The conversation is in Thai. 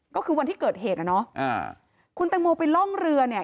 ก็คือวันที่เกิดเหตุนะคุณตังโมไปร่องเรือเนี่ย